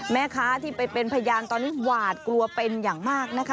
แม่ค้าที่ไปเป็นพยานตอนนี้หวาดกลัวเป็นอย่างมากนะคะ